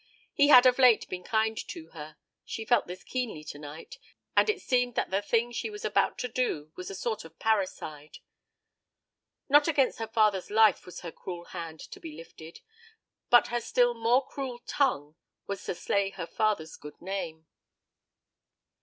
He had of late been kind to her; she felt this keenly to night, and it seemed that the thing she was about to do was a sort of parricide. Not against her father's life was her cruel hand to be lifted; but her still more cruel tongue was to slay her father's good name.